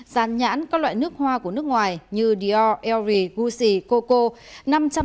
sàn nhãn các loại nước hoa của nước ngoài như dior elri gucci coco